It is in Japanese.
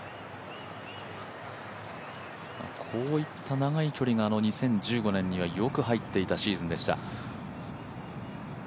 こういった長い距離が２０１５年にはよく入っていたシーズンでした。